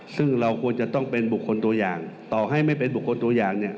ซึ่งเราควรจะต้องเป็นบุคคลตัวอย่างต่อให้ไม่เป็นบุคคลตัวอย่างเนี่ย